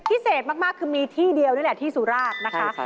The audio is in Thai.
พิเศษมากคือมีที่เดียวนี่แหละที่สุราชนะคะ